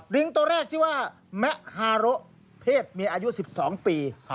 ลิงตัวแรกชื่อว่าแมะฮาโรเพศเมียอายุ๑๒ปี